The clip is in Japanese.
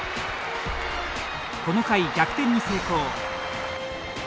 この回、逆転に成功。